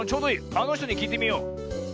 あのひとにきいてみよう。